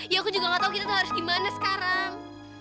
ya aku juga nggak tahu kita harus gimana sekarang